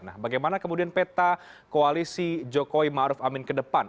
nah bagaimana kemudian peta koalisi jokowi maruf amin ke depan